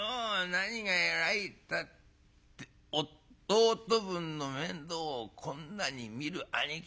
何が偉いったって弟分の面倒をこんなに見る兄貴